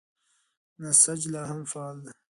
نسج لا هم فعال دی.